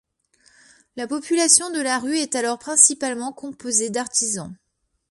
La population de la rue est alors principalement composée d'artisans.